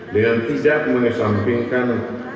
dengan tidak mengesampingkan